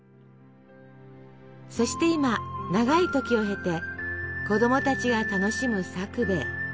そして今長い時を経て子どもたちが楽しむさくべい。